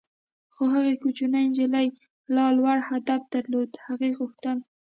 خو هغې کوچنۍ نجلۍ لا لوړ هدف درلود - هغې غوښتل.